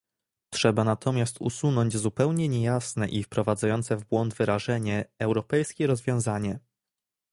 Trzeba natomiast usunąć zupełnie niejasne i wprowadzające w błąd wyrażenie "europejskie rozwiązanie"